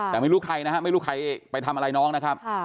แต่ไม่รู้ใครนะฮะไม่รู้ใครไปทำอะไรน้องนะครับ